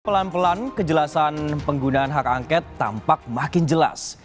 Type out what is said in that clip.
pelan pelan kejelasan penggunaan hak angket tampak makin jelas